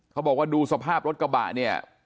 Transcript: เขาบอกว่าดูสภาพรถกระบะเนี่ย